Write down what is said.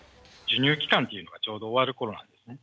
授乳期間というのがちょうど終わるころなんですね。